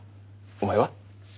お前は？